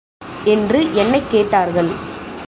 என்று என்னைக் கேட்டார்கள்.